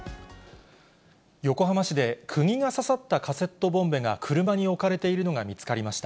横浜市でくぎが刺さったカセットボンベが車に置かれているのが見つかりました。